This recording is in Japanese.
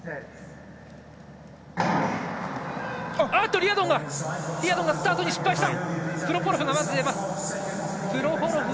リアドンがスタートに失敗した！